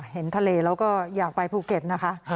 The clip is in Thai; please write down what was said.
เห็นทะเลแล้วก็อยากไปภูเก็ตนะคะ